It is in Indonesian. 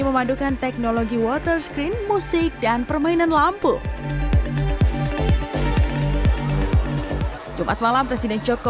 memadukan teknologi water screen musik dan permainan lampu jumat malam presiden joko